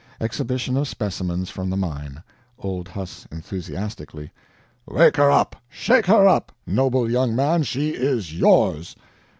] Exhibition of specimens from the mine. Old Huss: "Wake her up, shake her up, noble young man, she is yours!"